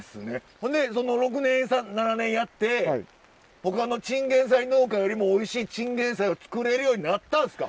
ほんで６年７年やって他のチンゲンサイ農家よりもおいしいチンゲンサイを作れるようになったんすか？